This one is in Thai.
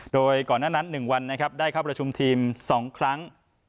โดยก่อนหน้านั้น๑วันนะครับได้เข้าประชุมทีม๒ครั้ง